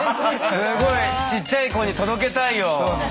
すごいちっちゃい子に届けたいよ。